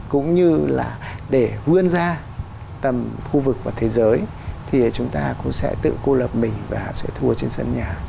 cũng như là để vươn ra tầm khu vực và thế giới thì chúng ta cũng sẽ tự cô lập mình và sẽ thua trên sân nhà